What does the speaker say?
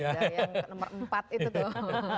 yang ke nomor empat itu tuh